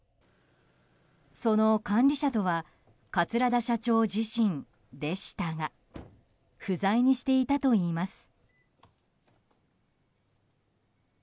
その管理者とは桂田社長自身でしたが不在にしていたといいます。